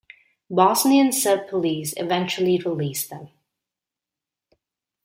Bosnian Serb police eventually released them.